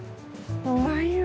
うまいよ。